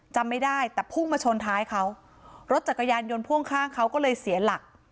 จำไม่ได้แต่พุ่งมาชนท้ายเขารถจักรยานยนต์พ่วงข้างเขาก็เลยเสียหลัก